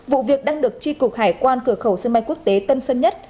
vụ việc đang được tri cục hải quan cửa khẩu sân bay quốc tế tân sơn nhất